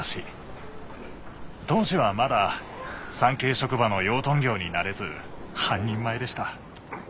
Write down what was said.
当時はまだ３Ｋ職場の養豚業に慣れず半人前でした。